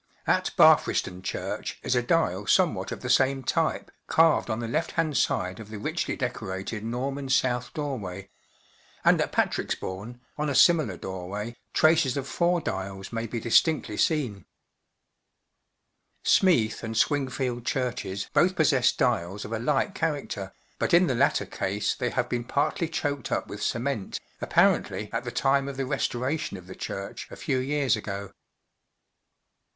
At Barfreston Church is a dial somewhat of the same type carved on the left hand side of the richly decorated Norman south doorway; circular church on the left, a and at Patrixbourne, on a similar doorway, traces of four dials may be distinctly seen* Smeeth and Swing field churches both possess dials of a like character, but in the latter case they have been partly choked up with cement, apparently at the time of the restoration of the church a few years ago.